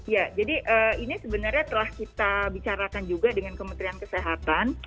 ya jadi ini sebenarnya telah kita bicarakan juga dengan kementerian kesehatan